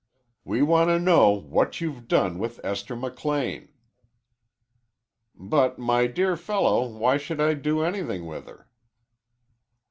"We want to know what you've done with Esther McLean." "But, my dear fellow, why should I do anything with her?"